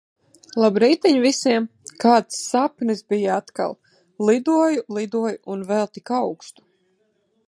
Labrītiņ visiem! Kāds sapnis bija atkal! Lidoju, lidoju un vēl tik augstu.